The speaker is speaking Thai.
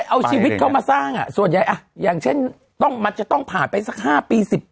มันจะเอาชีวิตเขามาสร้างอ่ะส่วนยังเช่นมันจะต้องผ่านไป๕๑๐ปี